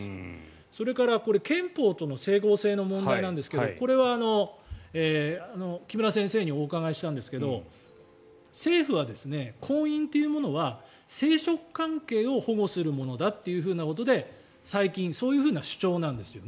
それから憲法との整合性の問題なんですけどこれは木村先生にお伺いしたんですが政府は、婚姻というものは生殖関係を保護するものだということで最近そういうふうな主張なんですよね。